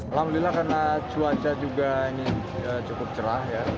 alhamdulillah karena cuaca juga ini cukup cerah ya